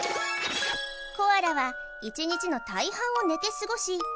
コアラは１日の大半を寝てすごし